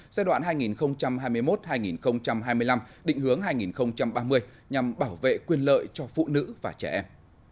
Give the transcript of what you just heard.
giai đoạn hai nghìn hai mươi một hai nghìn hai mươi năm định hướng hai nghìn ba mươi nhằm bảo vệ quyền lợi cho phụ nữ và trẻ em